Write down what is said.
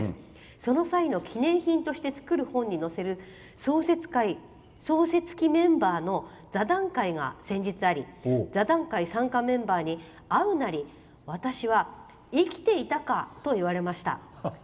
その際の記念品として作るものに寄せる創設記念メンバーの座談会が先日あり、座談会参加メンバーに会うなり、私は生きていたか！といわれました。